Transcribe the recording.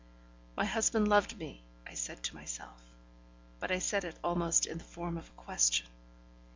My husband loved me, I said to myself, but I said it almost in the form of a question.